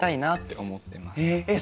えっ？